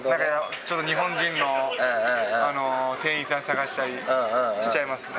ちょっと日本人の店員さん探したりしちゃいますね。